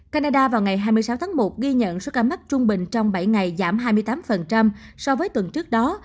canada vào ngày hai mươi sáu tháng một ghi nhận số ca mắc trung bình trong bảy ngày giảm hai mươi tám so với tuần trước đó